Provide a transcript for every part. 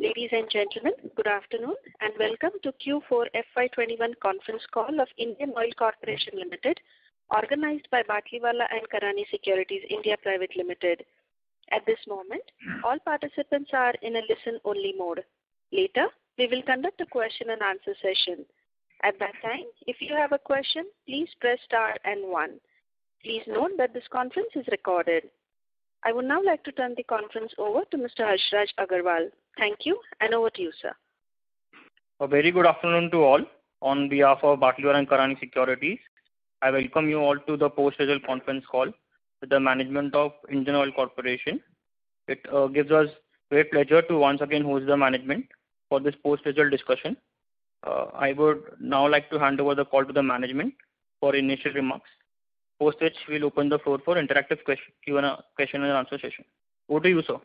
Ladies and gentlemen, good afternoon and welcome to Q4 FY 2021 conference call of Indian Oil Corporation Limited, organized by Batlivala & Karani Securities India Private Limited. At this moment, all participants are in a listen-only mode. Later, we will conduct a question-and-answer session. At that time, if you have a question, please press star and one. Please note that this conference is recorded. I would now like to turn the conference over to Mr. Harshraj Aggarwal. Thank you, and over to you, sir. A very good afternoon to all. On behalf of Batlivala & Karani Securities, I welcome you all to the post-schedule conference call with the management of Indian Oil Corporation. It gives us great pleasure to once again host the management for this post-schedule discussion. I would now like to hand over the call to the management for initial remarks. After which we will open the floor for interactive question-and-answer session. Over to you, sir.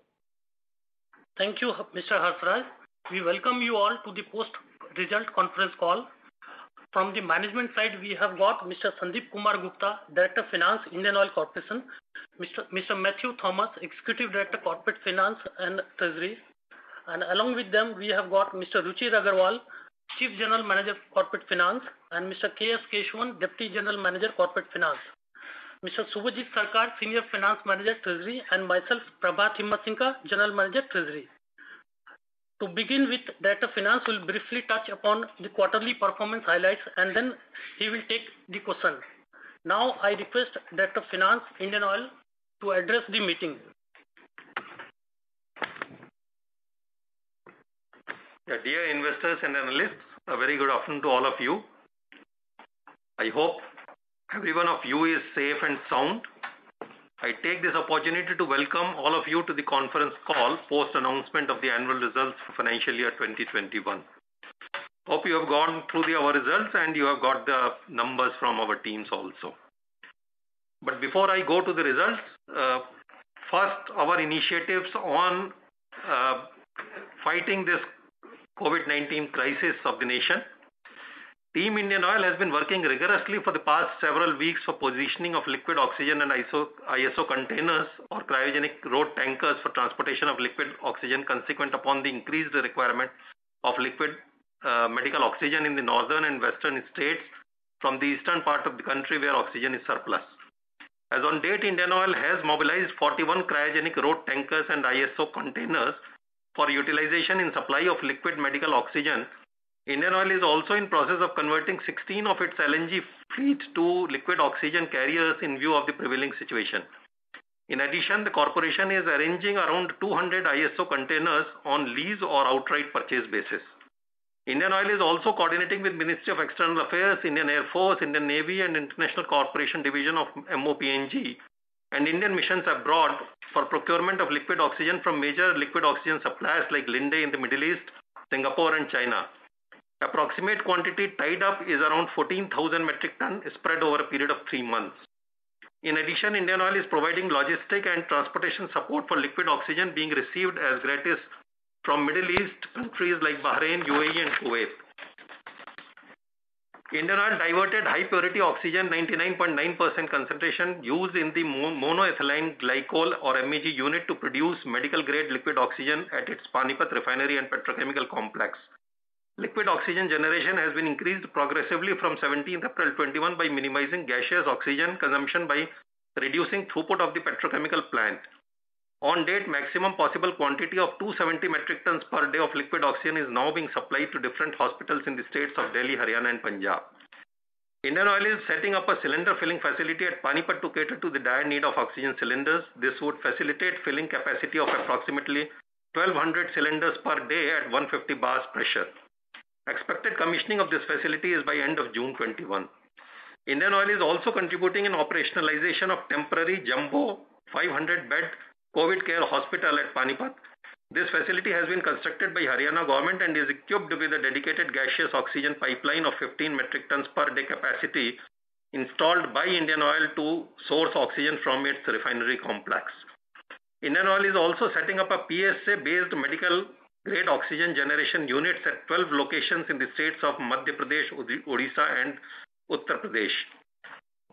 Thank you, Mr. Harshraj. We welcome you all to the post-results conference call. From the management side, we have got Mr. Sandeep Kumar Gupta, Director of Finance, Indian Oil Corporation, Mr. Matthew Thomas, Executive Director of Corporate Finance and Treasury. Along with them, we have got Mr. Ruchir Agrawal, Chief General Manager of Corporate Finance, and Mr. K.S. Kesavan, Deputy General Manager of Corporate Finance. Mr. Subhajit Sarkar, Senior Finance Manager, Treasury, and myself, Prabhat Himatsingka, General Manager, Treasury. To begin with, Director of Finance will briefly touch upon the quarterly performance highlights, and then he will take the questions. I request Director of Finance, Indian Oil, to address the meeting. Dear investors and analysts, a very good afternoon to all of you. I hope every one of you is safe and sound. I take this opportunity to welcome all of you to the conference call, post announcement of the annual results for financial year 2021. Hope you have gone through our results, and you have got the numbers from our teams also. Before I go to the results, first our initiatives on fighting this COVID-19 crisis of the nation. Team Indian Oil has been working rigorously for the past several weeks for positioning of liquid oxygen and ISO containers or cryogenic road tankers for transportation of liquid oxygen, consequent upon the increased requirement of liquid medical oxygen in the northern and western states from the eastern part of the country where oxygen is surplus. As on date, Indian Oil has mobilized 41 cryogenic road tankers and ISO containers for utilization and supply of liquid medical oxygen. Indian Oil is also in process of converting 16 of its LNG fleets to liquid oxygen carriers in view of the prevailing situation. In addition, the corporation is arranging around 200 ISO containers on lease or outright purchase basis. Indian Oil is also coordinating with Ministry of External Affairs, Indian Air Force, Indian Navy, and International Corporation Division of MoPNG, and Indian missions abroad for procurement of liquid oxygen from major liquid oxygen suppliers like Linde in the Middle East, Singapore, and China. Approximate quantity tied up is around 14,000 metric tons spread over a period of three months. In addition, Indian Oil is providing logistic and transportation support for liquid oxygen being received as gratis from Middle East countries like Bahrain, UAE, and Kuwait. Indian Oil diverted high-purity oxygen, 99.9% concentration, used in the monoethylene glycol or MEG unit to produce medical-grade liquid oxygen at its Panipat refinery and petrochemical complex. Liquid oxygen generation has been increased progressively from 17 April 2021 by minimizing gaseous oxygen consumption by reducing throughput of the petrochemical plant. On date, maximum possible quantity of 270 metric tons per day of liquid oxygen is now being supplied to different hospitals in the states of Delhi, Haryana, and Punjab. Indian Oil is setting up a cylinder filling facility at Panipat to cater to the dire need of oxygen cylinders. This would facilitate filling capacity of approximately 1,200 cylinders per day at 150 bars pressure. Expected commissioning of this facility is by end of June 2021. Indian Oil is also contributing in operationalization of temporary jumbo 500-bed COVID care hospital at Panipat. This facility has been constructed by Haryana Government and is equipped with a dedicated gaseous oxygen pipeline of 15 metric tons per day capacity, installed by Indian Oil to source oxygen from its refinery complex. Indian Oil is also setting up a PSA-based medical-grade oxygen generation units at 12 locations in the states of Madhya Pradesh, Odisha, and Uttar Pradesh.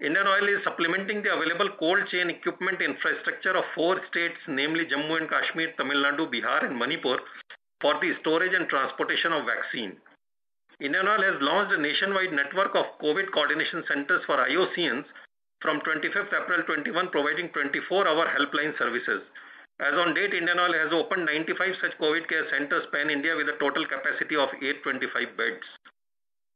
Indian Oil is supplementing the available cold chain equipment infrastructure of four states, namely Jammu and Kashmir, Tamil Nadu, Bihar, and Manipur, for the storage and transportation of vaccine. Indian Oil has launched a nationwide network of COVID Coordination Centers for IOCians from 25th April 2021, providing 24-hour helpline services. As on date, Indian Oil has opened 95 such COVID Care Centers pan-India with a total capacity of 825 beds.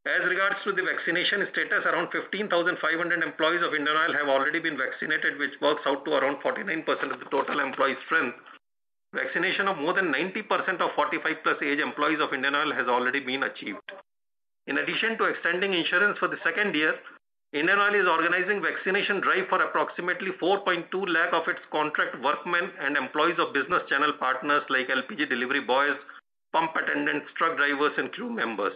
As regards to the vaccination status, around 15,500 employees of Indian Oil have already been vaccinated, which works out to around 49% of the total employee strength. Vaccination of more than 90% of 45+ age employees of Indian Oil has already been achieved. In addition to extending insurance for the second year, Indian Oil is organizing vaccination drive for approximately 4.2 lakh of its contract workmen and employees of business channel partners like LPG delivery boys, pump attendants, truck drivers, and crew members.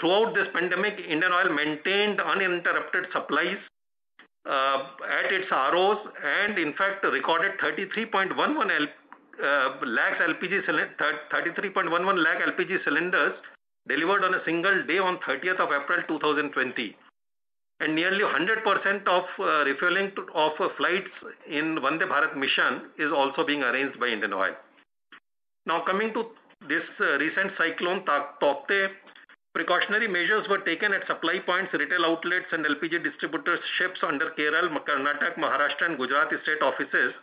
Throughout this pandemic, Indian Oil maintained uninterrupted supplies at its ROs and in fact recorded 33.11 lakh LPG cylinders delivered on a single day on 30th of April 2020. Nearly 100% of refueling of flights in Vande Bharat Mission is also being arranged by Indian Oil. Coming to this recent cyclone Tauktae, precautionary measures were taken at supply points, retail outlets, and LPG distributorships under Kerala, Karnataka, Maharashtra, and Gujarat state offices,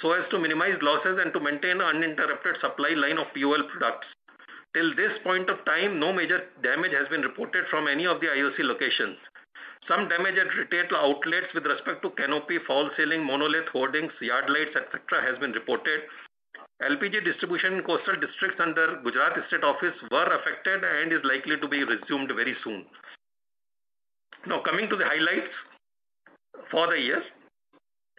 so as to minimize losses and to maintain an uninterrupted supply line of fuel products. Till this point of time, no major damage has been reported from any of the IOC locations. Some damages related to outlets with respect to canopy, false ceiling, monolith hoardings, yard lights, et cetera, has been reported. LPG distribution in coastal districts under Gujarat State Office were affected and is likely to be resumed very soon. Coming to the highlights for the year.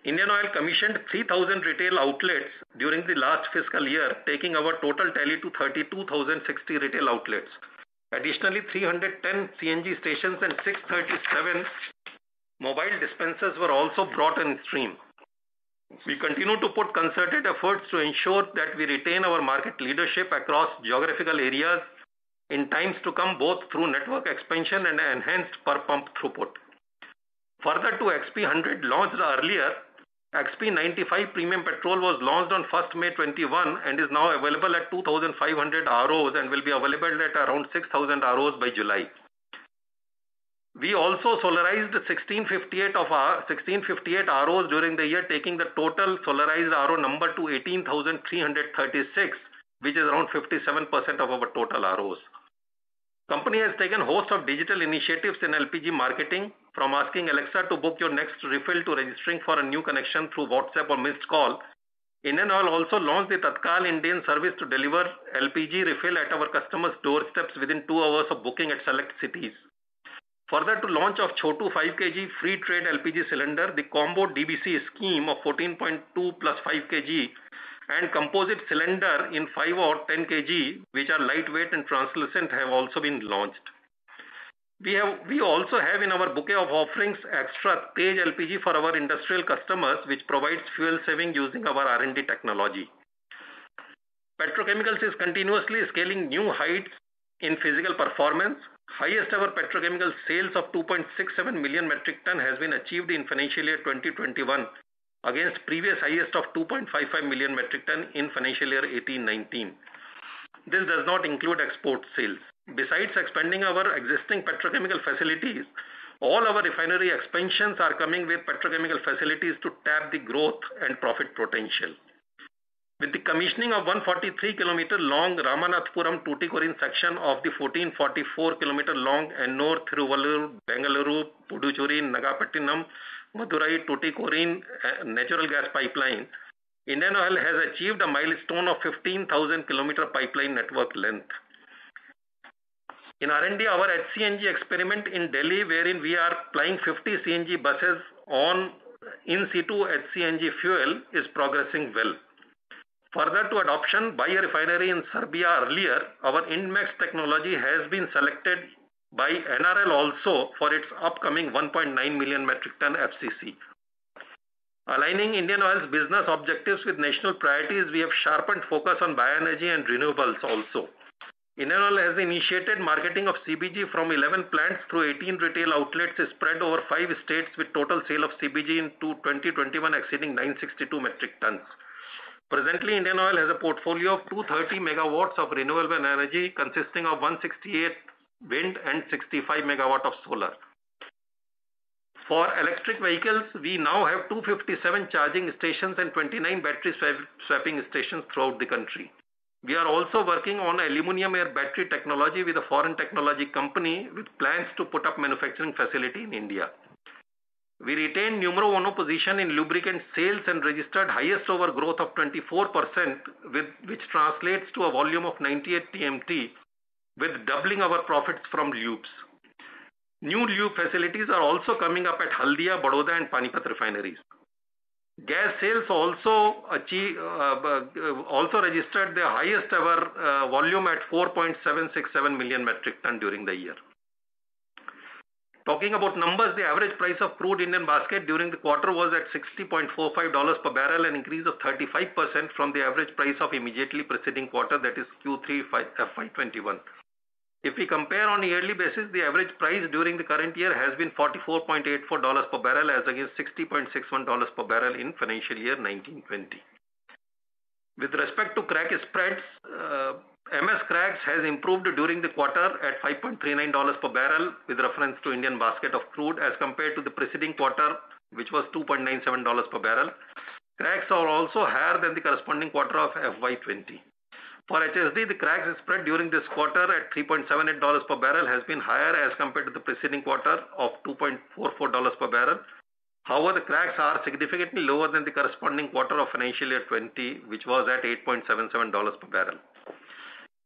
Indian Oil commissioned 3,000 retail outlets during the last fiscal year, taking our total tally to 32,060 retail outlets. Additionally, 310 CNG stations and 637 mobile dispensers were also brought in stream. We continue to put concerted efforts to ensure that we retain our market leadership across geographical areas in times to come, both through network expansion and enhanced per pump throughput. Further to XP100 launched earlier, XP95 premium petrol was launched on May 1, 2021 and is now available at 2,500 ROs and will be available at around 6,000 ROs by July. We also solarized 1,658 of our 1,658 ROs during the year, taking the total solarized RO number to 18,336, which is around 57% of our total ROs. Company has taken host of digital initiatives in LPG marketing from asking Alexa to book your next refill to registering for a new connection through WhatsApp or missed call. Indian Oil also launched the Tatkal Indane service to deliver LPG refill at our customer's doorsteps within two hours of booking at select cities. Further to launch of Chhotu 5 kg Free Trade LPG cylinder, the combo DBC scheme of 14.2+5 kg and composite cylinder in five or 10 kg, which are lightweight and translucent, have also been launched. We also have in our bouquet of offerings Indane XTRATEJ LPG for our industrial customers, which provides fuel saving using our R&D technology. Petrochemicals is continuously scaling new heights in physical performance. Highest ever petrochemical sales of 2.67 million metric tonnes has been achieved in financial year 2021, against previous highest of 2.55 million metric tonnes in financial year 2018/2019. This does not include export sales. Besides expanding our existing petrochemical facilities, all our refinery expansions are coming with petrochemical facilities to tap the growth and profit potential. With the commissioning of 143 km long Ramanathapuram-Tuticorin section of the 1444 km long Ennore-Tiruvallur-Bengaluru-Puducherry-Nagapattinam-Madurai-Tuticorin natural gas pipeline, Indian Oil has achieved a milestone of 15,000 km pipeline network length. In R&D, our HCNG experiment in Delhi, wherein we are plying 50 CNG buses on in-situ HCNG fuel, is progressing well. Further to adoption by a refinery in Serbia earlier, our INDMAX technology has been selected by NRL also for its upcoming 1.9 million metric ton FCC. Aligning Indian Oil's business objectives with national priorities, we have sharpened focus on bioenergy and renewables also. Indian Oil has initiated marketing of CBG from 11 plants to 18 retail outlets spread over five states with total sale of CBG in 2021 exceeding 962 metric tons. Presently, Indian Oil has a portfolio of 230 megawatts of renewable energy consisting of 168 wind and 65 megawatt of solar. For electric vehicles, we now have 257 charging stations and 29 battery swapping stations throughout the country. We are also working on aluminum and battery technology with a foreign technology company with plans to put up manufacturing facility in India. We retain numero uno position in lubricants sales and registered highest ever growth of 24%, which translates to a volume of 98 MMT, with doubling our profits from lubes. New lube facilities are also coming up at Haldia, Baroda, and Panipat refineries. Gas sales also registered their highest ever volume at 4.767 million metric tonnes during the year. Talking about numbers, the average price of crude Indian basket during the quarter was at $60.45 per barrel, an increase of 35% from the average price of immediately preceding quarter, that is Q3 FY 2021. If we compare on a yearly basis, the average price during the current year has been $44.84 per barrel as against $60.61 per barrel in financial year 2019-2020. With respect to crack spreads, MS cracks has improved during the quarter at $5.39 per barrel with reference to Indian basket of crude as compared to the preceding quarter, which was $2.97 per barrel. Cracks are also higher than the corresponding quarter of FY 2020. For HSD, the crack spread during this quarter at $3.78 per barrel has been higher as compared to the preceding quarter of $2.44 per barrel. However, the cracks are significantly lower than the corresponding quarter of financial year 2020, which was at $8.77 per barrel.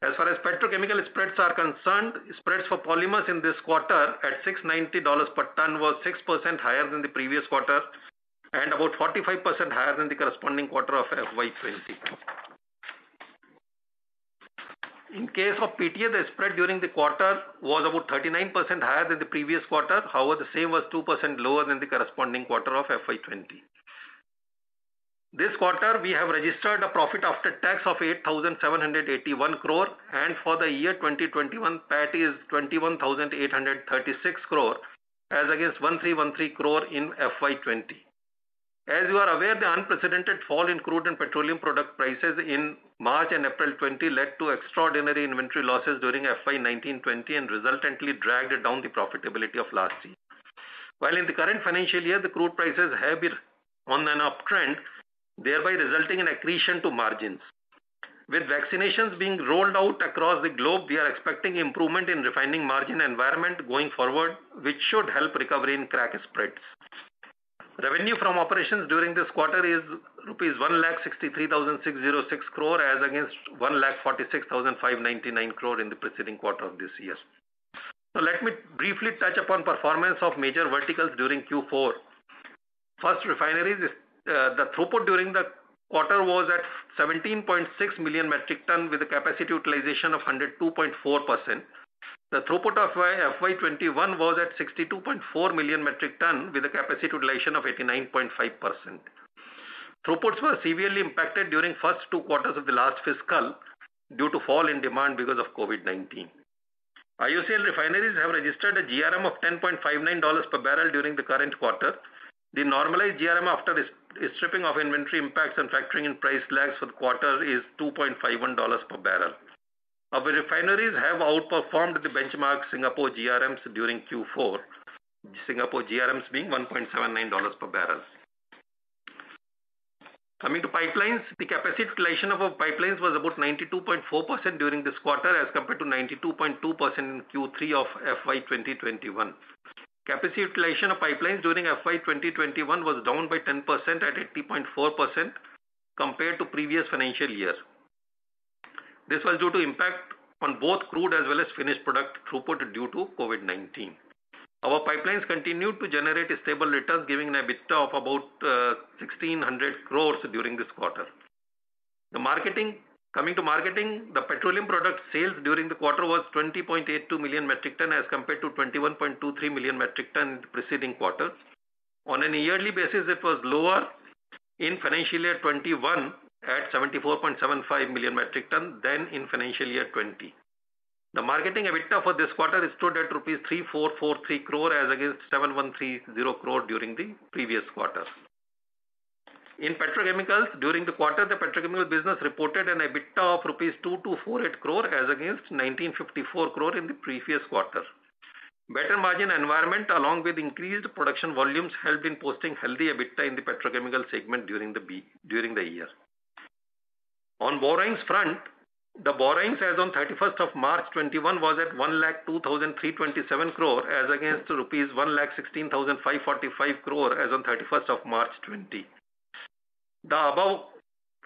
As far as petrochemical spreads are concerned, spreads for polymers in this quarter at $690 per ton was 6% higher than the previous quarter and about 45% higher than the corresponding quarter of FY 2020. In case of PTA, the spread during the quarter was about 39% higher than the previous quarter. However, the same was 2% lower than the corresponding quarter of FY 2020. This quarter, we have registered a profit after tax of 8,781 crore and for the year 2021, PAT is 21,836 crore as against 131 crore in FY 2020. As you are aware, the unprecedented fall in crude and petroleum product prices in March and April 2020 led to extraordinary inventory losses during FY 2019-2020, and resultantly dragged down the profitability of last year. While in the current financial year, the crude prices have been on an uptrend, thereby resulting in accretion to margins. With vaccinations being rolled out across the globe, we are expecting improvement in refining margin environment going forward, which should help recovery in crack spreads. Revenue from operations during this quarter is rupees 163,606 crore as against 146,599 crore in the preceding quarter of this year. Let me briefly touch upon performance of major verticals during Q4. First, refineries. The throughput during the quarter was at 17.6 million metric tonnes with a capacity utilization of 102.4%. The throughput of FY 2021 was at 62.4 million metric tonnes with a capacity utilization of 89.5%. Throughputs were severely impacted during the first two quarters of the last fiscal due to fall in demand because of COVID-19. IOC refineries have registered a GRM of $10.59 per barrel during the current quarter. The normalized GRM after stripping of inventory impacts and factoring in price lags for the quarter is $2.51 per barrel. Our refineries have outperformed the benchmark Singapore GRMs during Q4, Singapore GRMs being $1.79 per barrel. Coming to pipelines, the capacity utilization of our pipelines was about 92.4% during this quarter as compared to 92.2% in Q3 of FY 2021. Capacity utilization of pipelines during FY 2021 was down by 10% at 80.4% compared to previous financial year. This was due to impact on both crude as well as finished product throughput due to COVID-19. Our pipelines continued to generate a stable return, giving an EBITDA of about 1,600 crore during this quarter. Coming to marketing, the petroleum product sales during the quarter was 20.82 million metric tonnes as compared to 21.23 million metric tonnes preceding quarter. On a yearly basis, it was lower in financial year 2021 at 74.75 million metric tonnes than in financial year 2020. The marketing EBITDA for this quarter stood at rupees 3,443 crore as against 7,130 crore during the previous quarter. In petrochemicals, during the quarter, the petrochemical business reported an EBITDA of rupees 2,248 crore as against 1,954 crore in the previous quarter. Better margin environment along with increased production volumes helped in posting healthy EBITDA in the petrochemical segment during the year. On borrowings front, the borrowings as on 31st of March 2021 was at 102,327 crore as against rupees 116,545 crore as on 31st of March 2020. The above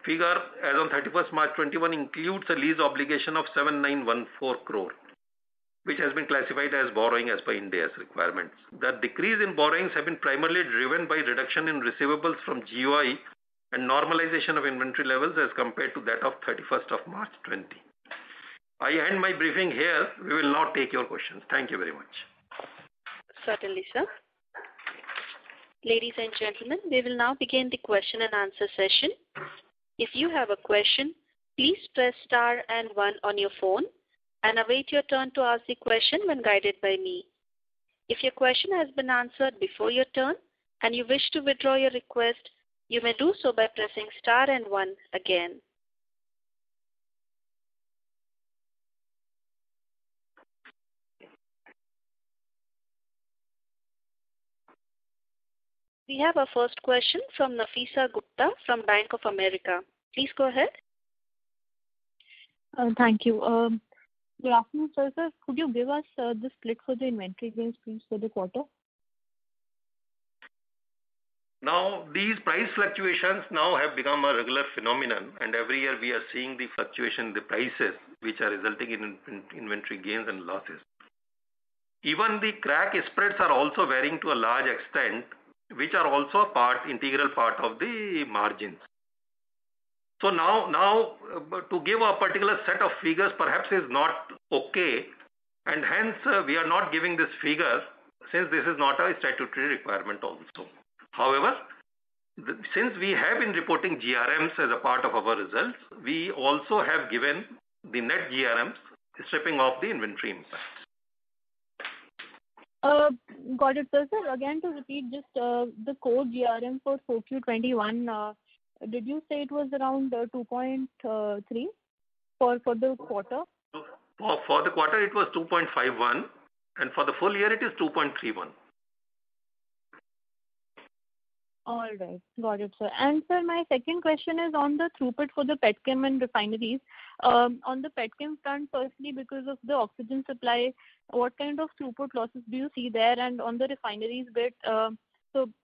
figure as on 31st March 2021 includes a lease obligation of 7,914 crore, which has been classified as borrowing as per Ind AS requirements. The decrease in borrowings have been primarily driven by reduction in receivables from GOI and normalization of inventory levels as compared to that of 31st of March 2020. I end my briefing here. We will now take your questions. Thank you very much. Certainly, sir. Ladies and gentlemen, we will now begin the question-and-answer session. If you have a question, please press star and one on your phone and await your turn to ask the question when guided by me. If your question has been answered before your turn and you wish to withdraw your request, you may do so by pressing star and one again. We have our first question from Nafeesa Gupta from Bank of America. Please go ahead. Thank you. Good afternoon, sirs. Could you give us the split for the inventory gains for the quarter? These price fluctuations now have become a regular phenomenon. Every year we are seeing the fluctuation in the prices, which are resulting in inventory gains and losses. Even the crack spreads are also varying to a large extent, which are also integral part of the margins. To give a particular set of figures perhaps is not okay. Hence we are not giving this figure since this is not our statutory requirement also. However, since we have been reporting GRMs as a part of our results, we also have given the net GRMs stripping off the inventory impact. Got it. Sir, again to repeat just the core GRM for full-year 2021, did you say it was around 2.3 for the quarter? For the quarter it was 2.51, and for the full year it is 2.31. All right. Got it, sir. Sir, my second question is on the throughput for the petchem and refineries. On the petchem front, firstly, because of the oxygen supply, what kind of throughput losses do you see there? On the refineries bit,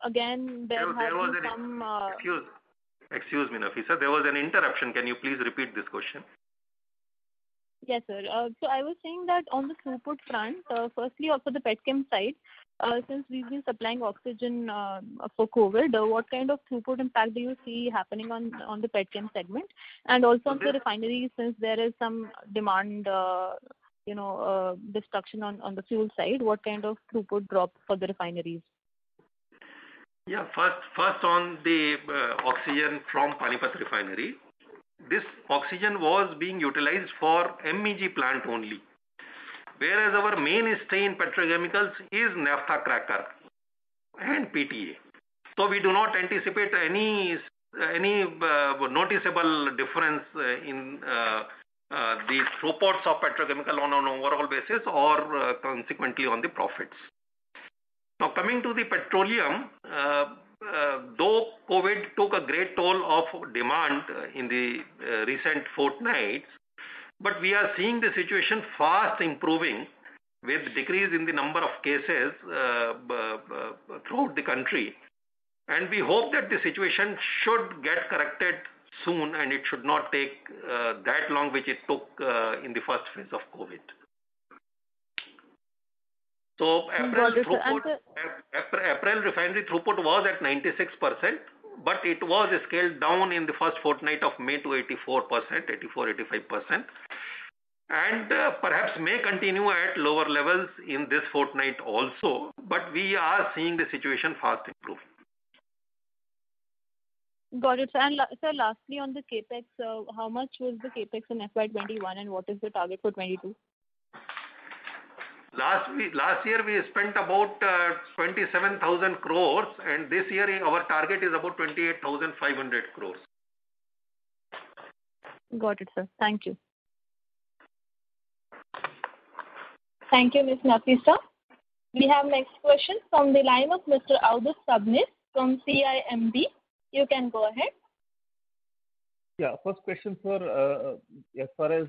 again, there has been some Excuse me, Nafeesa, there was an interruption. Can you please repeat this question? Yes, sir. I was saying that on the throughput front, firstly, for the petchem side, since we've been supplying oxygen for COVID, what kind of throughput impact do you see happening on the petchem segment? And also for refineries, since there is some demand disruption on the fuel side, what kind of throughput drop for the refineries? Yeah. First, on the oxygen from Panipat refinery. This oxygen was being utilized for MEG plant only, whereas our main stream petrochemicals is Naphtha cracker and PTA. We do not anticipate any noticeable difference in the throughputs of petrochemical on an overall basis or consequently on the profits. Coming to the petroleum, though COVID took a great toll of demand in the recent fortnight, but we are seeing the situation fast improving with decrease in the number of cases throughout the country. We hope that the situation should get corrected soon and it should not take that long which it took in the first phase of COVID. Got it. April refinery throughput was at 96%, but it was scaled down in the first fortnight of May to 84%, 85%. Perhaps may continue at lower levels in this fortnight also. We are seeing the situation fast improve. Got it. Lastly, on the CapEx, how much was the CapEx in FY 2021 and what is the target for 2022? Last year we spent about 27,000 crores and this year our target is about 28,500 crores. Got it, sir. Thank you. Thank you, Ms. Nafeesa. We have next question from the line of [Mr. Abhijeet Bora] from CIMB. You can go ahead. Yeah. First question, sir. As far as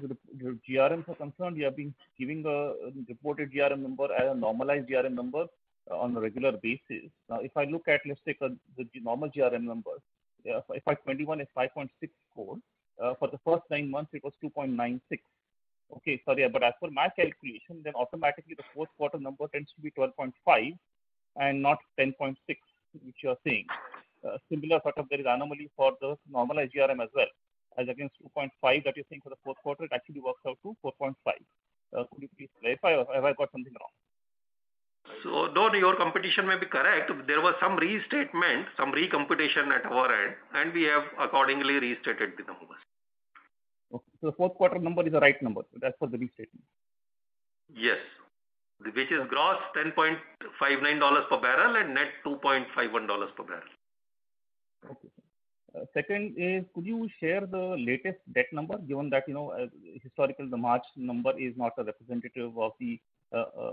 GRM are concerned, we have been giving a reported GRM number and a normalized GRM number on a regular basis. If I look at, let's take the normal GRM numbers. FY 2021 is 5.64. For the first nine months it was 2.96. Okay. As per my calculation, automatically the Q4 number tends to be 12.5 and not 10.6, which you are saying. Similar sort of there is anomaly for the normalized GRM as well. As against 2.5 that you're saying for the Q4, it actually works out to 4.5. Could you please verify if I got something wrong? Though your computation may be correct, there were some restatements, some recomputation at our end, and we have accordingly restated the numbers. Okay. The Q4 number is the right number. Yes. Which is gross $10.59 per barrel and net $2.51 per barrel. Okay. Second is, could you share the latest debt number given that historically the March number is not a representative of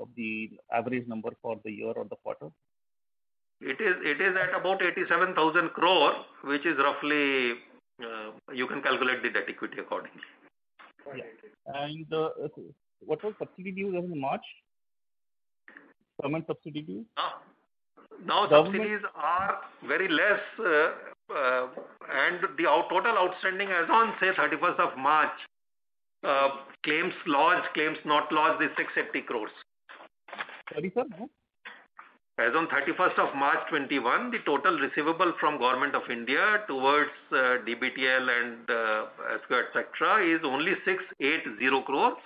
the average number for the year or the quarter? It is at about 87,000 crore, which is roughly, you can calculate the debt equity accordingly. Okay. What are subsidy dues as of March? Government subsidy dues. The subsidies are very less, and the total outstanding as on, say 31st of March, claims lodged, claims not lodged is 650 crore. 34, huh? As on 31st of March 2021, the total receivable from Government of India towards DBTL etc. is only 680 crores,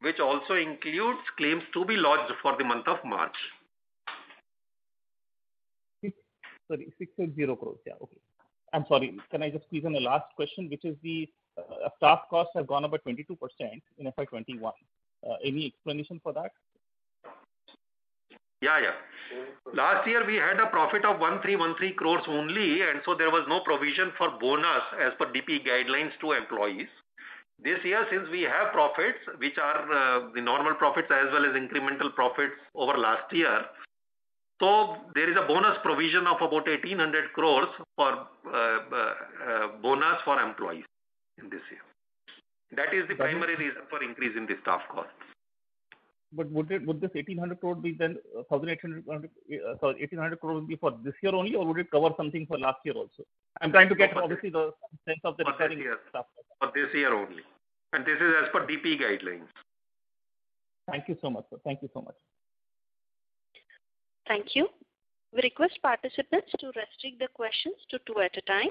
which also includes claims to be lodged for the month of March. Sorry, 600 crores. Yeah, okay. I'm sorry. Can I just squeeze in the last question, which is the staff costs have gone up by 22% in FY 2021. Any explanation for that? Yeah. Last year we had a profit of 1,313 crores only, and so there was no provision for bonus as per DPE guidelines to employees. This year, since we have profits, which are the normal profits as well as incremental profits over last year, so there is a bonus provision of about 1,800 crores for bonus for employees in this year. That is the primary reason for increase in the staff cost. Would this 1,800 crore be for this year only or would it cover something for last year also? I'm trying to get. [inaudible] For this year only. This is as per DPE guidelines. Thank you so much, sir. Thank you so much. Thank you. We request participants to restrict the questions to two at a time.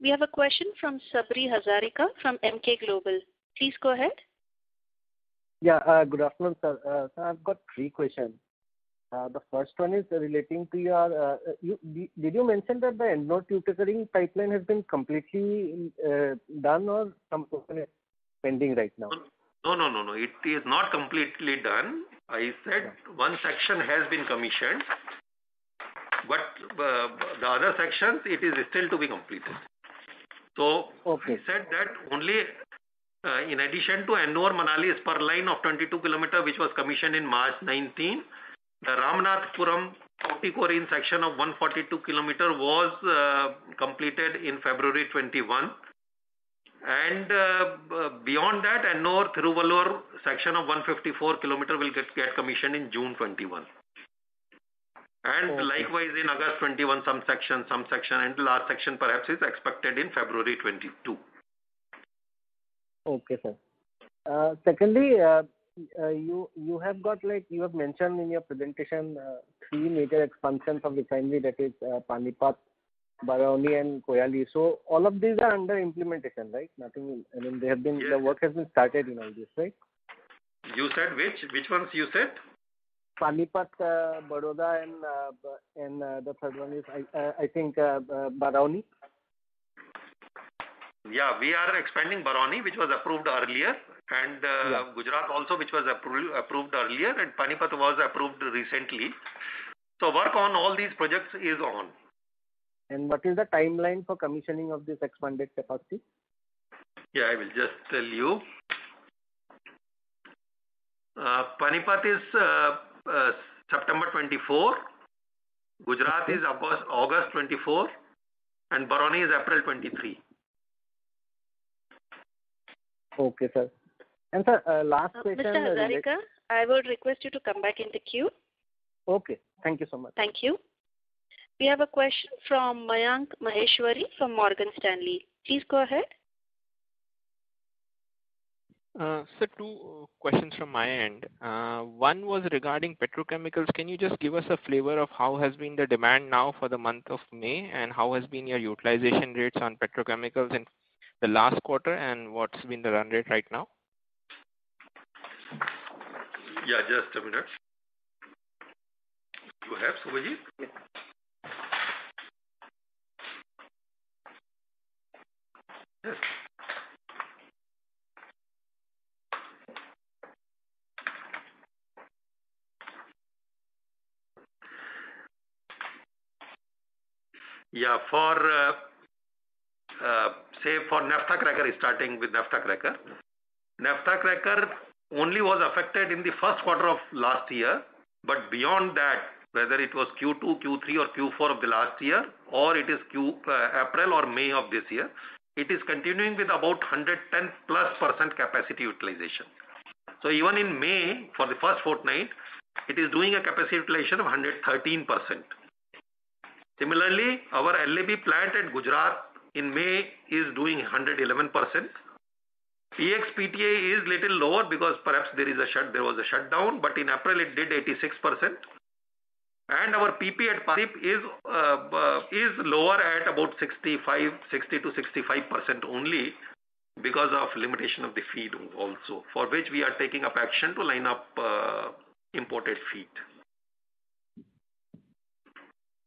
We have a question from Sabri Hazarika from Emkay Global. Please go ahead. Yeah. Good afternoon, sir. Sir, I've got three questions. Did you mention that the Ennore Tuticorin pipeline has been completely done or some portion is pending right now? No. No. No. It is not completely done. I said one section has been commissioned, but the other section, it is still to be completed. Okay. I said that only in addition to Ennore-Manali spur line of 22 km, which was commissioned in March 2019, the Ramanathapuram, Thoothukudi section of 142 km was completed in February 2021. Beyond that, Ennore Thiruvallur section of 154 km will get commissioned in June 2021. Okay. Likewise in August 2021, some section and the last section perhaps is expected in February 2022. Okay, sir. Secondly, you have mentioned in your presentation three major functions of refinery that is Panipat, Barauni and Koyali. All of these are under implementation, right? Nothing I mean, the work has been started on this, right? You said which? Which ones you said? Panipat, Baroda, and the third one is, I think, Barauni. Yeah. We are expanding Barauni, which was approved earlier, and Gujarat also, which was approved earlier, and Panipat was approved recently. Work on all these projects is on. What is the timeline for commissioning of this expanded capacity? Yeah, I will just tell you. Panipat is September 2024, Gujarat is, of course, August 2024, and Barauni is April 2023. Okay, sir. Sir, last question? Okay, Mr. Hazarika, I would request you to come back in the queue. Okay. Thank you so much. Thank you. We have a question from Mayank Maheshwari from Morgan Stanley. Please go ahead. Sir, two questions from my end. One was regarding petrochemicals. Can you just give us a flavor of how has been the demand now for the month of May, and how has been your utilization rates on petrochemicals in the last quarter, and what's been the run rate right now? Yeah, just a minute. You have? [inaudible] Yeah. Yeah. Say, for Naphtha cracker, starting with Naphtha cracker. Naphtha cracker only was affected in the Q1 of last year, but beyond that, whether it was Q2, Q3, or Q4 of the last year, or it is April or May of this year, it is continuing with about 110%+ capacity utilization. Even in May, for the first fortnight, it is doing a capacity utilization of 113%. Similarly, our LAB plant at Gujarat in May is doing 111%. PX-PTA is little lower because perhaps there was a shutdown, but in April it did 86%. Our PP at Panipat is lower at about 60%-65% only because of limitation of the feed also, for which we are taking up action to line up imported feed.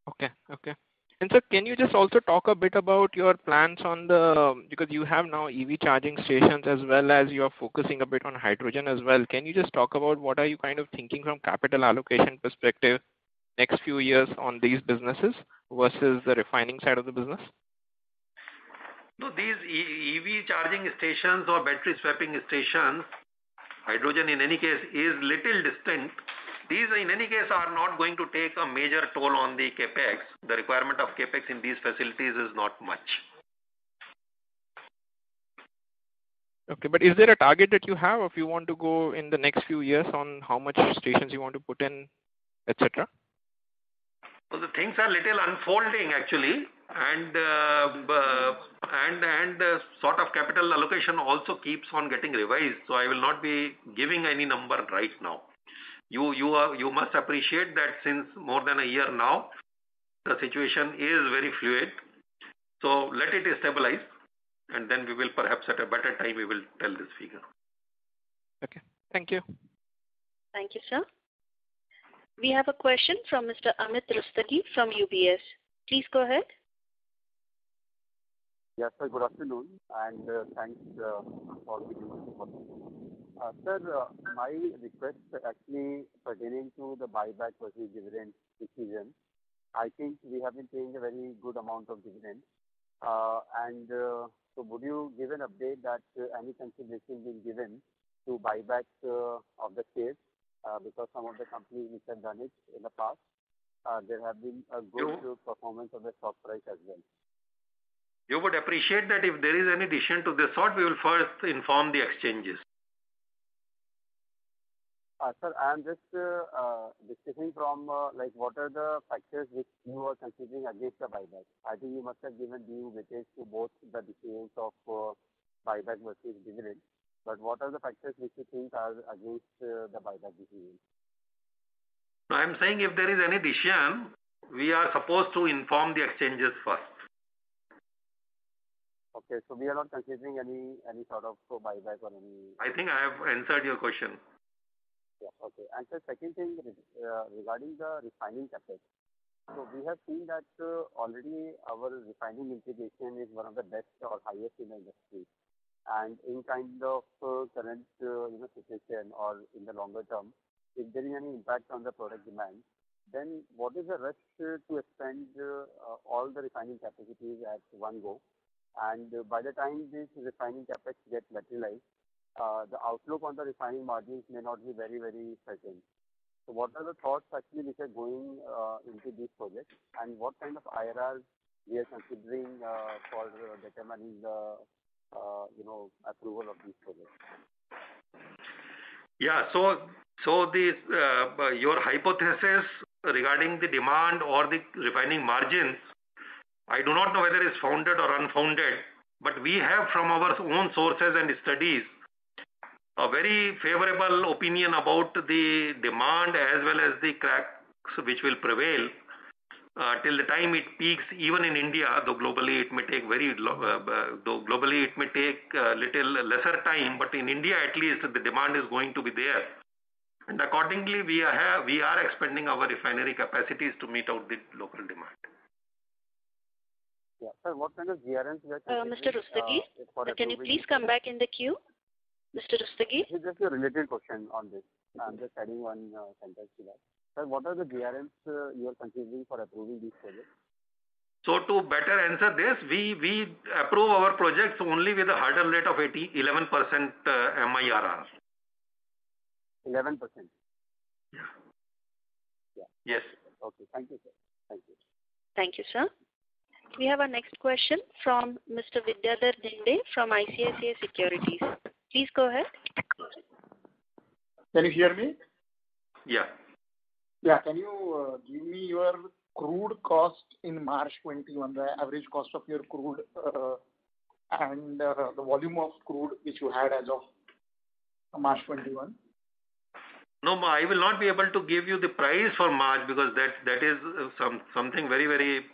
Okay. Sir, can you just also talk a bit about your plans. Because you have now EV charging stations as well as you're focusing a bit on hydrogen as well. Can you just talk about what are you thinking from capital allocation perspective next few years on these businesses versus the refining side of the business? These EV charging stations or battery swapping stations, hydrogen in any case is little distinct. These, in any case, are not going to take a major toll on the CapEx. The requirement of CapEx in these facilities is not much. Okay. Is there a target that you have if you want to go in the next few years on how much stations you want to put in, et cetera? The things are a little unfolding actually, and sort of capital allocation also keeps on getting revised, so I will not be giving any number right now. You must appreciate that since more than a year now, the situation is very fluid. Let it stabilize, and then perhaps at a better time we will tell this figure. Okay. Thank you. Thank you, sir. We have a question from Mr. Amit Rustagi from UBS. Please go ahead. Yeah, sir. Good afternoon, and thanks for giving us the opportunity. Sir, my request actually pertaining to the buyback versus dividends decision. I think we have been paying a very good amount of dividend. Would you give an update that any consideration been given to buyback of the shares, because some of the companies which have done it in the past, there have been a good performance of the stock price as well. You would appreciate that if there is any decision to this sort, we'll first inform the exchanges. Sir, I'm just distinguishing from what are the factors which you are considering against the buyback. I think you must have given due weightage to both the decisions of buyback versus dividends, but what are the factors which you think are against the buyback decision? No, I'm saying if there is any decision, we are supposed to inform the exchanges first. Okay. We are not considering any sort of buyback. I think I have answered your question. Yeah. Okay. Sir, second thing is regarding the refining capacity. We have seen that already our refining utilization is one of the best or highest in the industry. In kind of current situation or in the longer term, if there is any impact on the product demand, then what is the rush to expand all the refining capacities at one go? By the time these refining capacities get materialized, the outlook on the refining margins may not be very sound. What are the thoughts actually which are going into these projects, and what kind of IRRs we are considering for determining the approval of these projects? Yeah. Your hypothesis regarding the demand or the refining margins, I do not know whether it's founded or unfounded, but we have from our own sources and studies a very favorable opinion about the demand as well as the cracks which will prevail till the time it peaks, even in India, though globally it may take a little lesser time, but in India, at least the demand is going to be there. Accordingly, we are expanding our refinery capacities to meet up with local demand. Yeah. Sir, what kind of guarantee- Mr. Rustagi, can you please come back in the queue? Mr. Rustagi? This is a related question on this. I'm just adding one sentence to that. Sir, what are the guarantees you are considering for approving these projects? To better answer this, we approve our projects only with a hurdle rate of 11% MIRR. 11%? Yeah. Yes. Okay. Thank you, sir. Thank you, sir. We have our next question from Mr. Vidyadhar Ginde from ICICI Securities. Please go ahead. Can you hear me? Yeah. Can you give me your crude cost in March 2021, the average cost of your crude, and the volume of crude which you had as of March 2021? No, I will not be able to give you the price for March because that is something very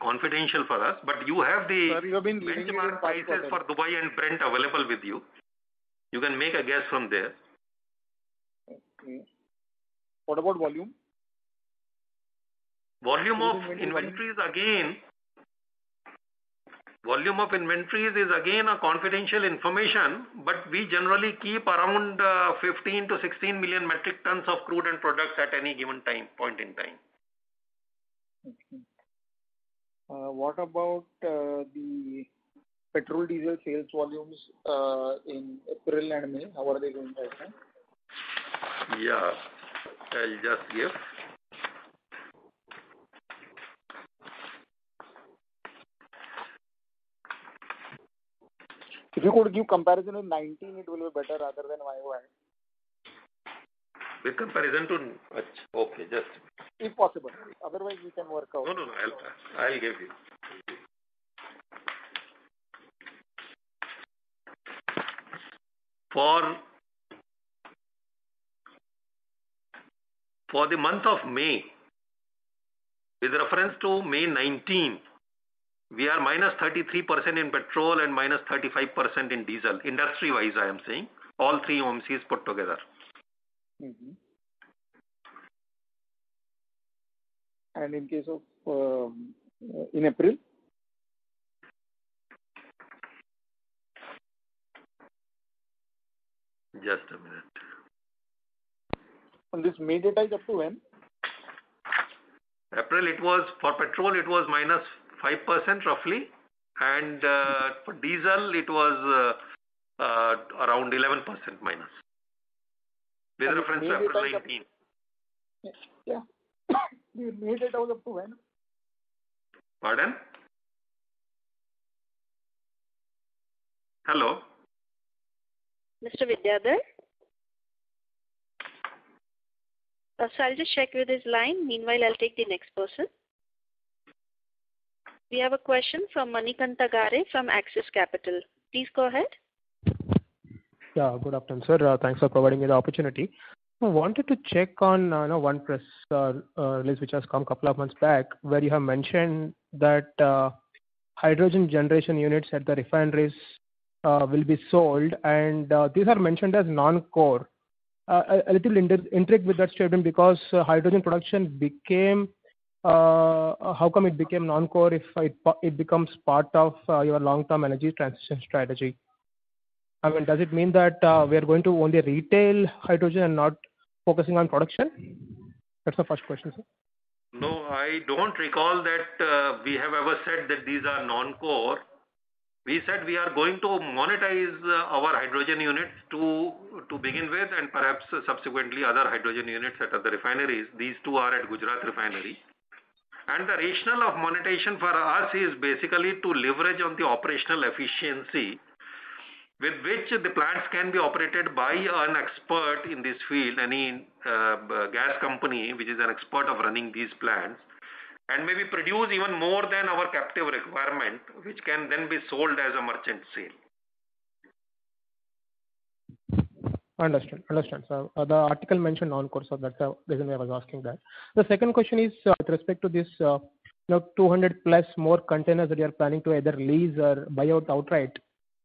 confidential for us but you have the- Sir, you have been mentioning. Price for Dubai and Brent available with you. You can make a guess from there. Okay. What about volume? Volume of inventories is again a confidential information, but we generally keep around 15-16 million metric tons of crude and products at any given point in time. Okay. What about the petrol, diesel sales volumes in April and May? How are they comparing? Yeah. I'll just give. If you could give comparison with 2019, it will be better rather than Y1. The comparison to. Okay, yes. If possible. Otherwise, we can work out. No, I get it. For the month of May, with reference to May 19, we are -33% in petrol and -35% in diesel, industry-wise, I am saying, all three OMCs put together. Mm-hmm. In case of in April? Just a minute. On this May data till when? April, for petrol it was -5% roughly, and for diesel it was around 11%-. With reference to May 2019. Yeah. May data till when? Pardon? Hello? Mr. Vidyadhar? Sir, I'll just check with his line. Meanwhile, I'll take the next person. We have a question from Manikantha Garre from Axis Capital. Please go ahead. Yeah, good afternoon, sir. Thanks for providing me the opportunity. I wanted to check on one press release which has come a couple of months back, where you have mentioned that hydrogen generation units at the refineries will be sold, and these are mentioned as non-core. A little intrigued with that statement because how come it became non-core if it becomes part of your long-term energy transition strategy? Does it mean that we are going to only retail hydrogen and not focusing on production? That's the first question, sir. No, I don't recall that we have ever said that these are non-core. We said we are going to monetize our hydrogen unit to begin with and perhaps subsequently other hydrogen units at other refineries. These two are at Gujarat Refinery. The rationale of monetization for us is basically to leverage on the operational efficiency with which the plants can be operated by an expert in this field, any gas company which is an expert of running these plants, and maybe produce even more than our captive requirement, which can then be sold as a merchant sale. Understood, sir. The article mentioned non-core, so that's the reason I was asking that. The second question is with respect to this 200+ more containers that you are planning to either lease or buy out outright.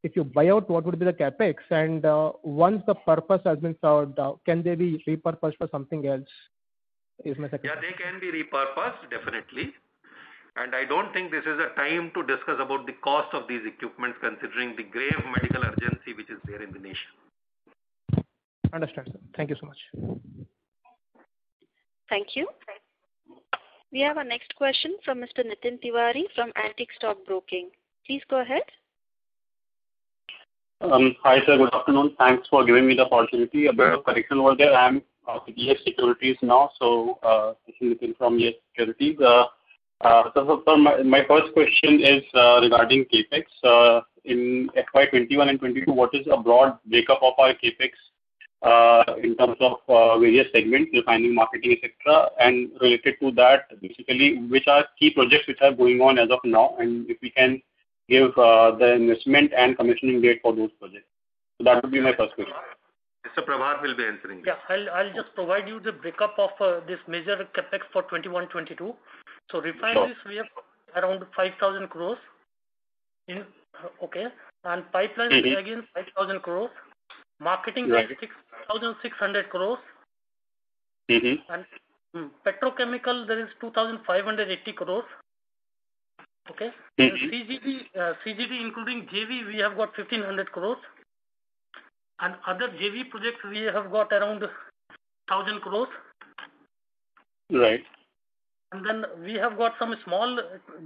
If you buy out, what would be the CapEx? Once the purpose has been served, can they be repurposed for something else? Yeah, they can be repurposed, definitely. I don't think this is the time to discuss about the cost of these equipment, considering the grave medical urgency which is there in the nation. Understood. Thank you so much. Thank you. We have our next question from Mr. Nitin Tiwari from Antique Stock Broking. Please go ahead. Hi, sir. Good afternoon. Thanks for giving me the opportunity. A bit of correction over there. I'm from YES Securities now, so speaking from YES Securities. My first question is regarding CapEx. In FY 2021 and 2022, what is the broad makeup of our CapEx in terms of various segments, refining, marketing, etc., and related to that, basically, which are key projects which are going on as of now, and if we can give the investment and commissioning date for those projects. That would be my first question. Mr. Prabhat will be answering. Yeah. I'll just provide you the breakup of this major CapEx for 2021-2022. Refinery is around 5,000 crores. Okay. Pipeline is again 5,000 crore. Right. Marketing is 6,600 crores. Petrochemical, there is 2,580 crores. Okay. CGD including JV, we have got 1,500 crore. Other JV projects, we have got around 1,000 crore. Right. We have got some small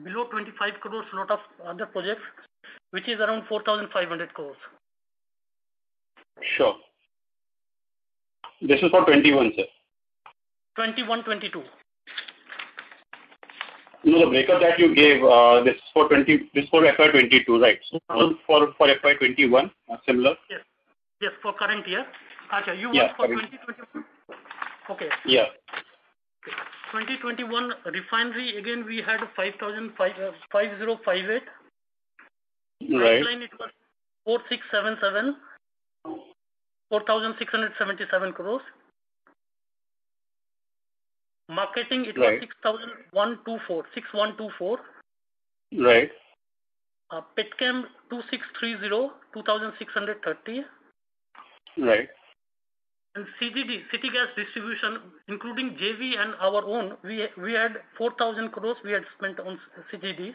below 25 crores lot of other projects, which is around 4,500 crores. Sure. This is for 2021, sir? 2021/2022. No, the breakup that you gave, this is for FY 2022, right? One for FY 2021. Yes, for current year. You asked for 2021. Okay. Yeah. 2021, refinery again, we had 5,058. Right. Pipeline it was 4,677 crores. Marketing is 6,124. Right. Petchem 2,630. Right. CGD, City Gas Distribution, including JV and our own, we had 4,000 crores we had spent on CGD.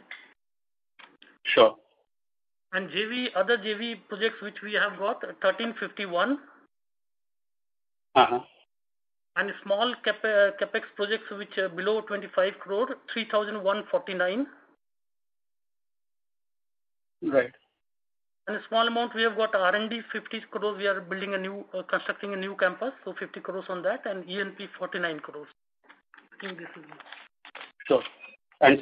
Sure. Other JV projects which we have got, 1,351. Small CapEx projects which are below 25 crore, 3,149. Right. Small amount, we have got R&D, 50 crores. We are constructing a new campus, so 50 crores on that, and E&P 49 crores. Sure. Sir,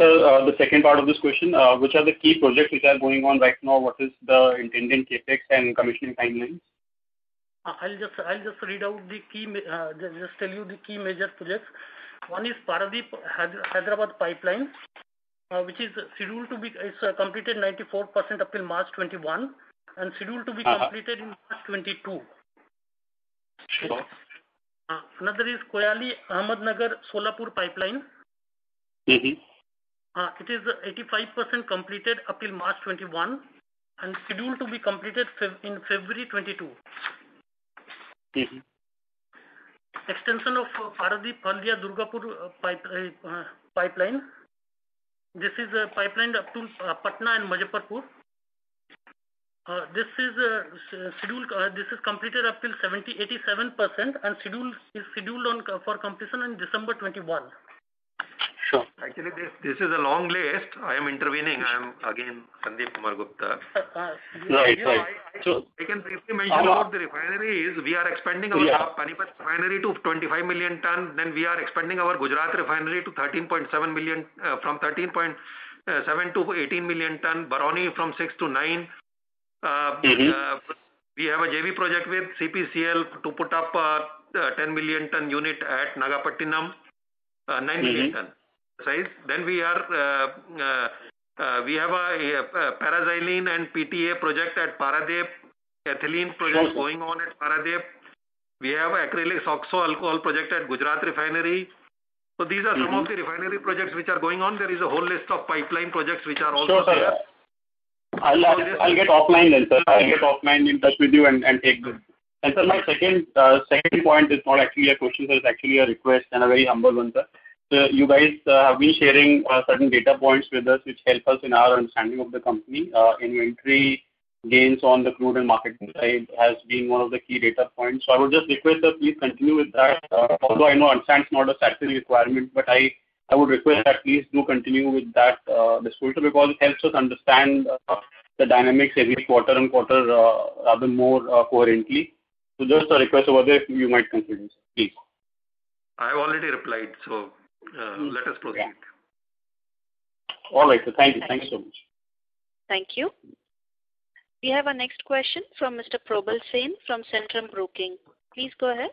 the second part of this question, which are the key projects which are going on right now? What is the intended CapEx and commissioning timeline? I'll just tell you the key major projects. One is Paradip-Hyderabad pipeline, which is completed 94% up till March 2021 and scheduled to be completed in March 2022. Sure. Another is Koyali-Ahmednagar-Solapur Pipeline. Mm-mh It is 85% completed up till March 2021, and scheduled to be completed in February 2022. Mm-mh Extension of Paradip-Haldia-Durgapur pipeline. This is a pipeline up to Patna and Muzaffarpur. This is completed up till 87% and scheduled for completion in December 2021. Sure. Actually, this is a long list. I am intervening. I am again Sandeep Kumar Gupta. Right. We can briefly mention all the refineries. We are expanding our Panipat refinery to 25 million ton. We are expanding our Gujarat refinery from 13.7-18 million ton, Barauni from six to nine million ton. We have a JV project with CPCL to put up a 10 million ton unit at Nagapattinam. 9 million tons. Right. We have a Paraxylene and PTA project at Paradip, ethylene project going on at Paradip. We have acrylics/oxo-alcohol project at Gujarat Refinery. These are some of the refinery projects which are going on. There is a whole list of pipeline projects which are also there. Sure, sir. I'll get offline, sir. I'll get offline in touch with you and take this. Sir, my second point is not actually a question, sir. It's actually a request and a very humble one, sir. You guys have been sharing certain data points with us, which helps us in our understanding of the company, inventory gains on the crude and marketing side as being one of the key data points. I would just request that please continue with that. Although I know on chance it's not a statutory requirement, but I would request that please do continue with that disclosure because it helps us understand the dynamics every quarter-on-quarter even more coherently. Just a request over there, you might consider. Please. I already replied, so let us proceed. All right, sir. Thank you so much. Thank you. We have our next question from Mr. Probal Sen from Centrum Broking. Please go ahead.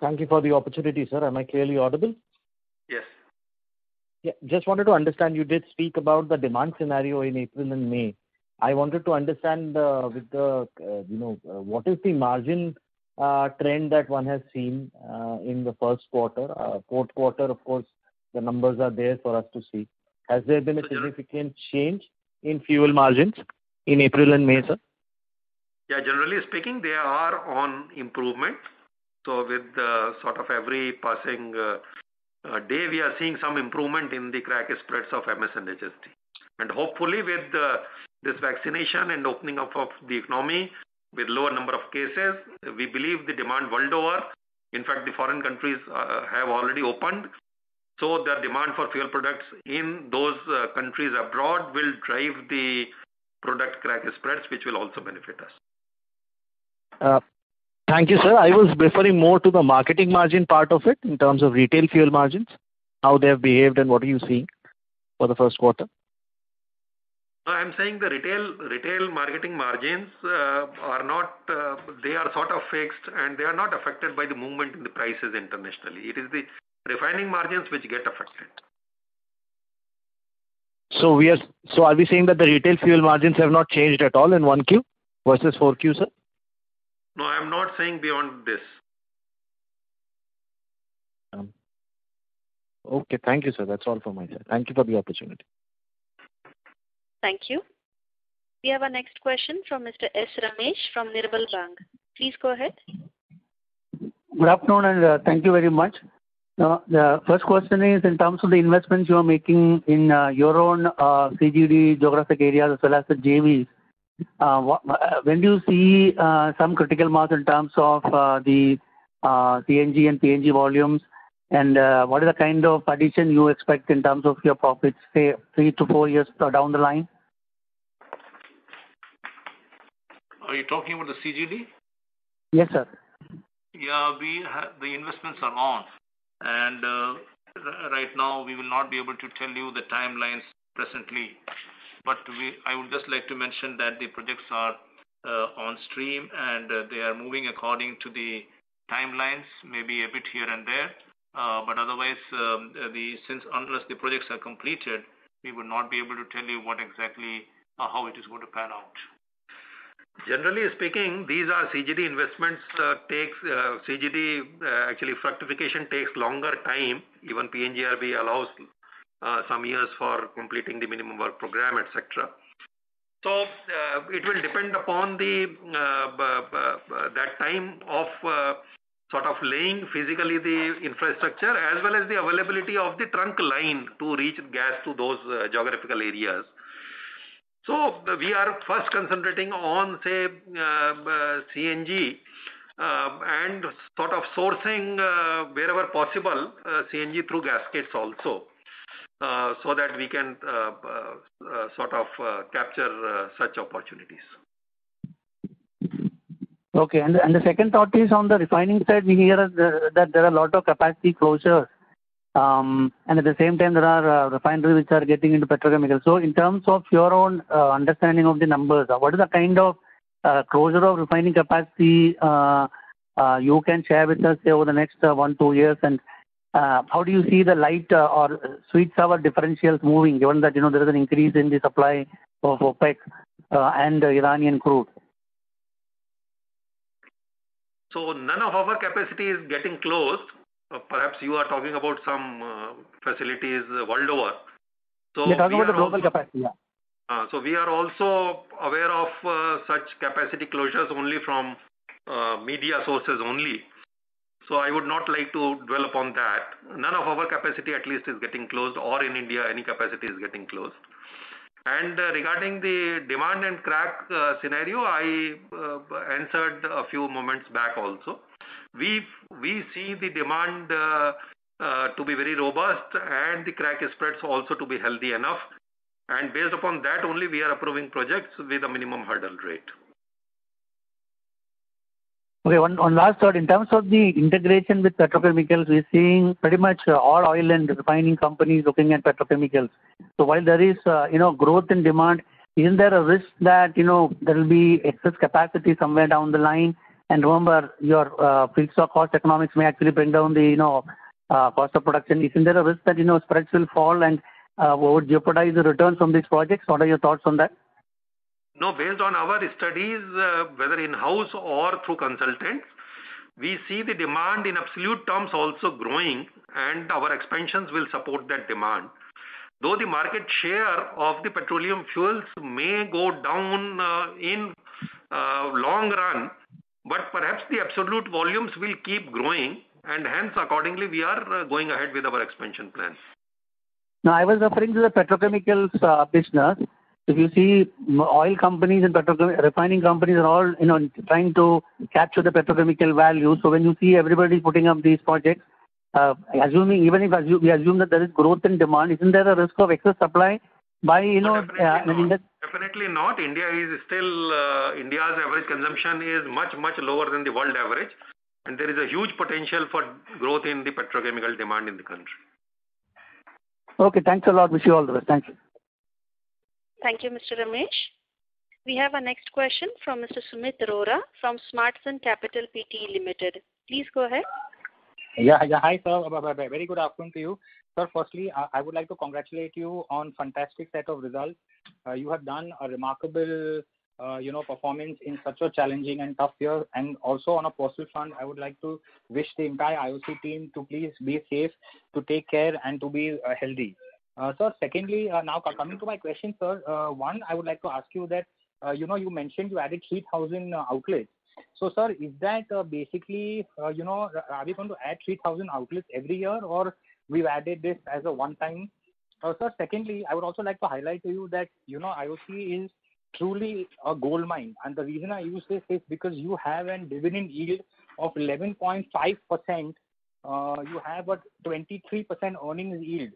Thank you for the opportunity, sir. Am I clearly audible? Yes. Yeah. Just wanted to understand, you did speak about the demand scenario in April and May. I wanted to understand what is the margin trend that one has seen in the Q1. Q4, of course, the numbers are there for us to see. Has there been a significant change in fuel margins in April and May, sir? Yeah, generally speaking, they are on improvement. With sort of every passing day, we are seeing some improvement in the crack spreads of MS and HSD. Hopefully, with this vaccination and opening up of the economy with lower number of cases, we believe the demand world over. In fact, the foreign countries have already opened. The demand for fuel products in those countries abroad will drive the product crack spreads, which will also benefit us. Thank you, sir. I was referring more to the marketing margin part of it in terms of retail fuel margins, how they have behaved and what are you seeing for the Q1? No, I'm saying the retail marketing margins. They are sort of fixed, and they are not affected by the movement in the prices internationally. It is the refining margins which get affected. Are we saying that the retail fuel margins have not changed at all in 1Q versus 4Q, sir? No, I'm not saying beyond this. Okay. Thank you, sir. That's all from my end. Thank you for the opportunity. Thank you. We have our next question from Mr. S. Ramesh from Nirmal Bang. Please go ahead. Good afternoon, thank you very much. The first question is in terms of the investments you are making in your own CGD geographic area as well as the JVs. When do you see some critical mass in terms of the CNG and PNG volumes? What are the kind of addition you expect in terms of your profits, say, three to four years down the line? Are you talking about the CGD? Yes, sir. Yeah. The investments are on, and right now we will not be able to tell you the timelines presently. I would just like to mention that the projects are on stream, and they are moving according to the timelines, maybe a bit here and there. Otherwise, unless the projects are completed, we will not be able to tell you what exactly or how it is going to pan out. Generally speaking, these are CGD investments. CGD, actually certification takes longer time. Even PNGRB allows some years for completing the minimum work program, et cetera. It will depend upon that time of laying physically the infrastructure as well as the availability of the trunk line to reach gas to those geographical areas. We are first concentrating on, say, CNG and sort of sourcing wherever possible, CNG through gas cascade also, so that we can capture such opportunities. Okay. The second thought is on the refining side, we hear that there are a lot of capacity closures, and at the same time, there are refineries which are getting into petrochemicals. In terms of your own understanding of the numbers, what is the kind of closure of refining capacity you can share with us over the next one, two years, and how do you see the light or sweet sour differentials moving, given that there is an increase in the supply of OPEC and Iranian crude? None of our capacity is getting closed. Perhaps you are talking about some facilities world over. We're talking about the global capacity. We are also aware of such capacity closures only from media sources only. I would not like to dwell on that. None of our capacity at least is getting closed or in India any capacity is getting closed. Regarding the demand and crack scenario, I answered a few moments back also. We see the demand to be very robust and the crack spreads also to be healthy enough. Based upon that only we are approving projects with a minimum hurdle rate. Okay. One last one. In terms of the integration with petrochemicals, we're seeing pretty much all oil and refining companies looking at petrochemicals. While there is growth in demand, isn't there a risk that there will be excess capacity somewhere down the line? Remember, your fixed cost economics may actually pin down the cost of production. Isn't there a risk that spreads will fall and would jeopardize the returns on these projects? What are your thoughts on that? No, based on our studies, whether in-house or through consultants, we see the demand in absolute terms also growing, and our expansions will support that demand. Though the market share of the petroleum fuels may go down in long run, but perhaps the absolute volumes will keep growing, and hence accordingly we are going ahead with our expansion plans. No, I was referring to the petrochemicals business. If you see oil companies and refining companies are all trying to capture the petrochemical value. When you see everybody putting up these projects, even if we assume that there is growth in demand, isn't there a risk of excess supply? Definitely not. India's average consumption is much, much lower than the world average. There is a huge potential for growth in the petrochemical demand in the country. Okay, thanks a lot. [inaudible] Thank you. Thank you, Mr. Ramesh. We have our next question from Mr. Sumit Arora from Smartfund Capital Pte Limited. Please go ahead. Yeah. Hi, sir. Very good afternoon to you. Sir, firstly, I would like to congratulate you on fantastic set of results. You have done a remarkable performance in such a challenging and tough year, and also on a personal front, I would like to wish the entire IOC team to please be safe, to take care, and to be healthy. Sir, secondly, now coming to my question, sir. One, I would like to ask you that, you mentioned you added 3,000 outlets. Sir, is that basically, are you going to add 3,000 outlets every year, or we added this as a one time? Sir, secondly, I would also like to highlight to you that IOC is truly a goldmine. The reason I use this is because you have an dividend yield of 11.5%. You have a 23% earnings yield.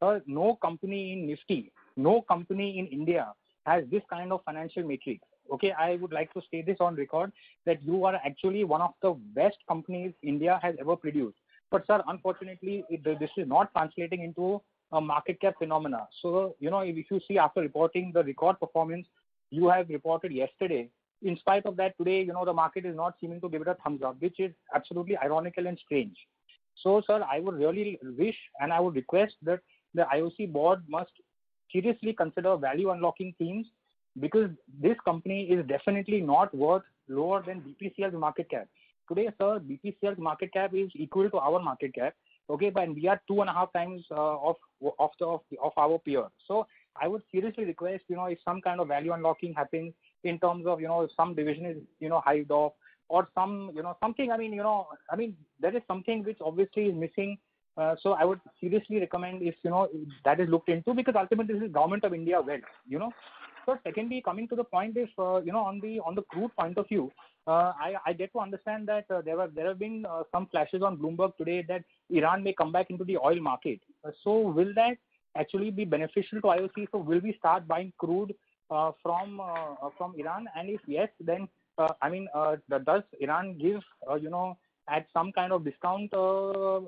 Sir, no company in, [inaudible] no company in India has this kind of financial metric. Okay. I would like to state this on record that you are actually one of the best companies India has ever produced. Sir, unfortunately, this is not translating into a market cap phenomena. If you see after reporting the record performance. You had reported yesterday. In spite of that today, the market is not seeming to give it a thumbs up, which is absolutely ironical and strange. Sir, I would really wish, and I would request that the IOC board must seriously consider value unlocking things, because this company is definitely not worth lower than BPCL's market cap. Today, sir, BPCL's market cap is equal to our market cap, okay. We are 2.5x of our peer. I would seriously request, if some kind of value unlocking happens in terms of some division is either off or something. There is something which obviously is missing. I would seriously recommend if that is looked into, because ultimately this is Government of India owned. Secondly, coming to the point on the crude point of view, I get to understand that there have been some flashes on Bloomberg today that Iran may come back into the oil market. Will that actually be beneficial to IOC? Will we start buying crude from Iran? If yes, then does Iran give at some kind of discount to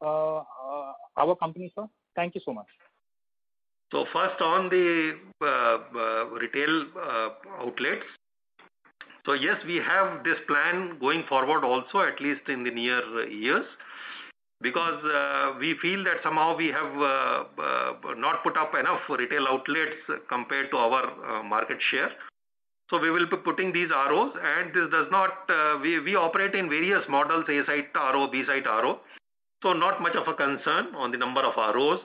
our company, sir? Thank you so much. First on the retail outlets. Yes, we have this plan going forward also at least in the near years. Because we feel that somehow we have not put up enough retail outlets compared to our market share. We will be putting these ROs and we operate in various models, A-site RO, B-site RO. Not much of a concern on the number of ROs.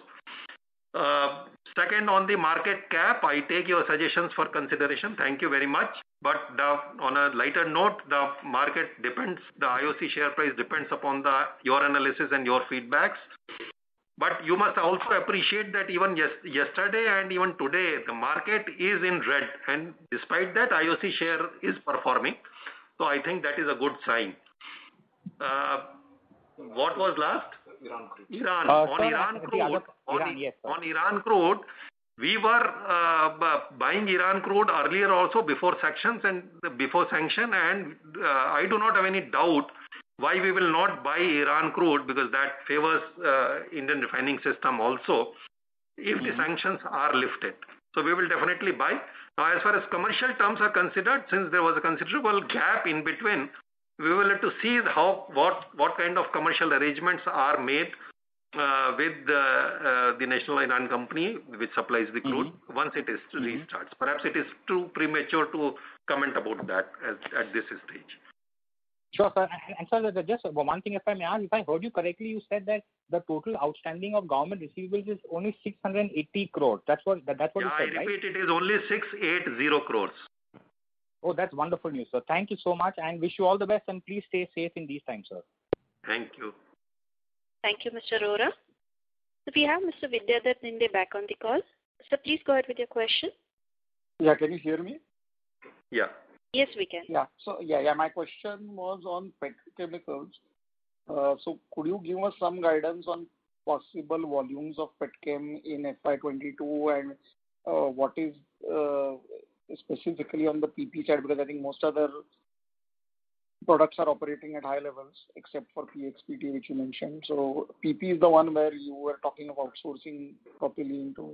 Second, on the market cap, I take your suggestions for consideration. Thank you very much. On a lighter note, the IOC share price depends upon your analysis and your feedbacks. You must also appreciate that even yesterday and even today, the market is in red, and despite that, IOC share is performing. I think that is a good sign. What was last? Iran. Iran. On Iran crude, we were buying Iran crude earlier also before sanction, I do not have any doubt why we will not buy Iran crude, because that favors Indian refining system also, if the sanctions are lifted. We will definitely buy. Now, as far as commercial terms are considered, since there was a considerable gap in between, we will have to see what kind of commercial arrangements are made with the National Iranian Oil Company, which supplies the crude once it restarts. Perhaps it is too premature to comment about that at this stage. Sure, sir. Sir just one thing, if I heard you correctly, you said that the total outstanding of government receivable is only 680 crore. That's what you said, right? Yeah, I repeat, it is only 680 crores. Oh, that's wonderful news, sir. Thank you so much and wish you all the best and please stay safe in these times, sir. Thank you. Thank you, Mr. Arora. We have Mr. Vidyadhar Ginde back on the call. Sir, please go ahead with your question. Yeah, can you hear me? Yeah. Yes, we can. Yeah. My question was on petrochemicals. Could you give us some guidance on possible volumes of petchem in FY 2022 and what is specifically on the PP side, because I think most of their products are operating at high levels except for the [PTA], which you mentioned. PP is the one where you were talking about sourcing propylene to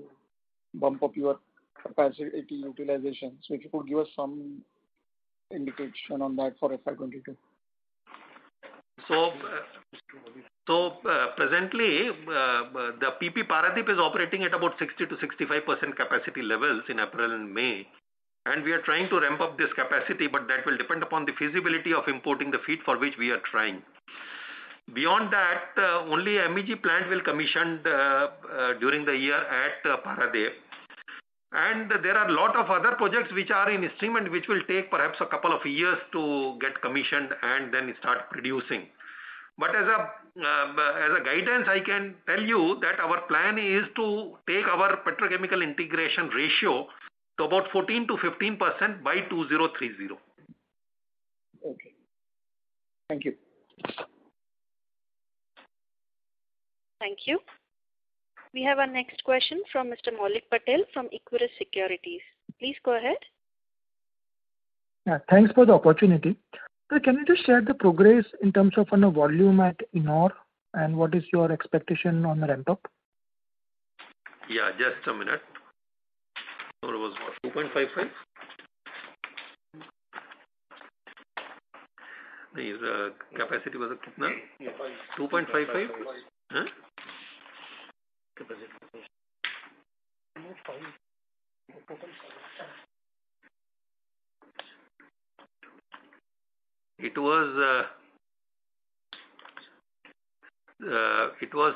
bump up your capacity utilization. If you could give us some indication on that for FY 2022. Presently, the PP Paradip is operating at about 60%-65% capacity levels in April and May. We are trying to ramp up this capacity, but that will depend upon the feasibility of importing the feed for which we are trying. Beyond that, only MEG plant will commission during the year at Paradip. There are a lot of other projects which are in estimate, which will take perhaps a couple of years to get commissioned and then start producing. As a guidance, I can tell you that our plan is to take our petrochemical integration ratio to about 14%-15% by 2030. Okay. Thank you. Thank you. We have our next question from Mr. Maulik Patel from Equirus Securities. Please go ahead. Yeah, thanks for the opportunity. Sir, can you just share the progress in terms of on a volume at Ennore and what is your expectation on the ramp-up? Yeah, just a minute. What was the 2.55? The capacity was what? 2.5. 2.5? [inaudible] It was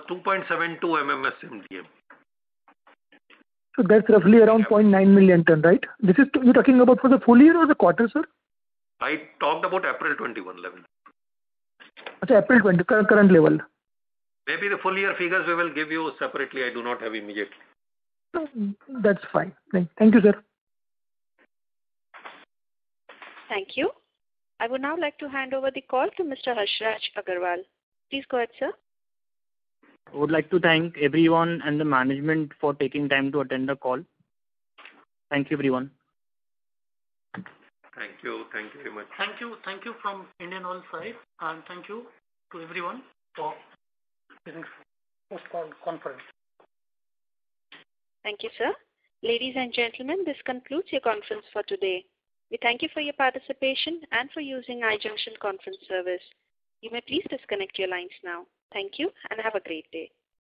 2.72 MMSCMD. That's roughly around 0.9 million ton, right? This is you're talking about for the full year or the quarter, sir? I talked about April 2021 level. Okay, April 20, current level. Maybe the full-year figures I will give you separately. I do not have immediate. No, that's fine. Thank you, sir. Thank you. I would now like to hand over the call to Mr. Harshraj Aggarwal. Please go ahead, sir. I would like to thank everyone and the management for taking time to attend the call. Thank you, everyone. Thank you. Thank you very much. Thank you from Indian Oil side, and thank you to everyone for this conference call. Thank you, sir. Ladies and gentlemen, this concludes your conference for today. We thank you for your participation and for using iJunction Conference Service. You may please disconnect your lines now. Thank you, and have a great day.